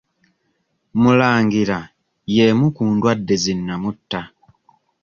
Mulangira y'emu ku ndwadde zi nnamutta.